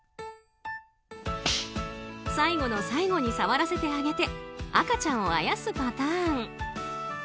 最後の最後に触らせてあげて赤ちゃんをあやすパターン。